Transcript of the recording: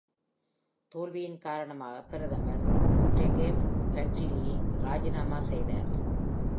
தோல்வியின் காரணமாக பிரதமர் Trygve Bratteli ராஜினாமா செய்தார்.